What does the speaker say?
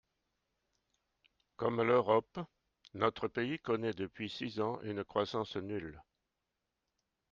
Comme l’Europe, notre pays connaît depuis six ans une croissance nulle.